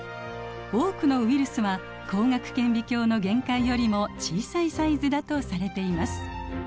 多くのウイルスは光学顕微鏡の限界よりも小さいサイズだとされています。